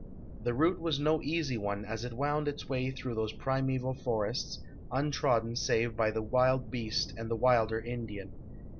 The route was no eas}'' one, as it wound its way through those primeval forests, untrodden save by the wild bea.st and the wilder Indian.